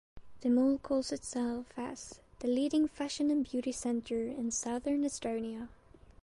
The mall calls itself as "the leading fashion and beauty centre in Southern Estonia".